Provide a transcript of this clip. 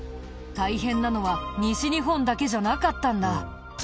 大変なのは西日本だけじゃなかったんだ。